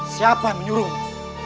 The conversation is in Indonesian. siapa yang menyuruhmu